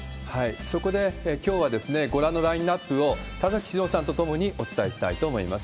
そこできょうは、ご覧のラインナップを田崎史郎さんと共にお伝えしたいと思います。